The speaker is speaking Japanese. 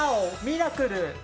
ミラクル！